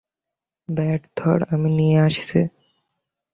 Bat ধর, আমি নিয়ে আসছি।